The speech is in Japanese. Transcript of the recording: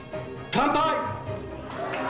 乾杯！